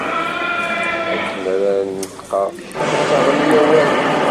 Akken ara d-neṭqeɣ ttaɣen-iyi awal.